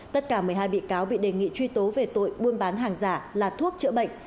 tất cả một mươi hai bị cáo bị đề nghị truy tố về tội buôn bán hàng giả là thuốc chữa bệnh